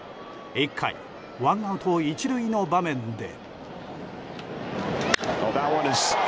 １回、ワンアウト１塁の場面で。